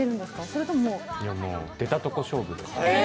いやもう、出たとこ勝負。